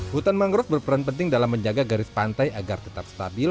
hutan mangrove berperan penting dalam menjaga garis pantai agar tetap stabil